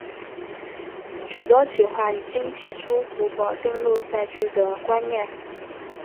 许多企划已经提出湖泊登陆载具的观念。